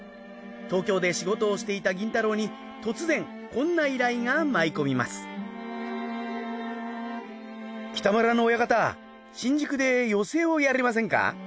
東京で仕事をしていた銀太郎に突然こんな依頼が舞い込みます「北村の親方新宿で寄席をやりませんか？」。